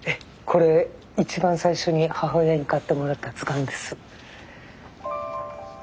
これ一番最初に母親に買ってもらった図鑑です。